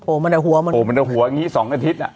โอ้มันเอาหัวมันเอาหัวอย่างนี้๒อาทิตย์อ่ะ